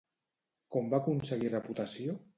Com va aconseguir reputació?